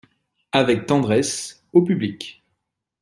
Avec tendresse, au public.